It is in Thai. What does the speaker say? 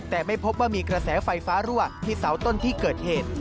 แต่ไม่พบว่ามีกระแสไฟฟ้ารั่วที่เสาต้นที่เกิดเหตุ